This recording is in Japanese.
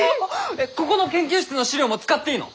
ここの研究室の資料も使っていいの？